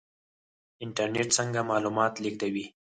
انټرنیټ څنګه معلومات لیږدوي؟